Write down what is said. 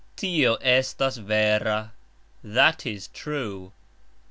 Tio estas vera. That is true.